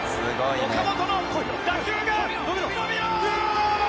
岡本の打球が伸びろー！